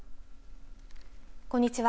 こんにちは。